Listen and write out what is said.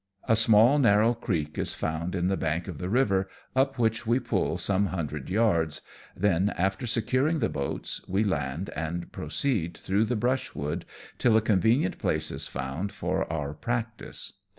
A small narrow creek is found in the bank of the river, up which we pull some hundred yards, then, after securing the boats, we land and proceed through the brushwood till a convenient place is found for our practice.